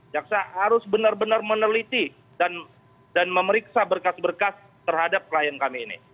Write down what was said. jaksa harus benar benar meneliti dan memeriksa berkas berkas terhadap klien kami ini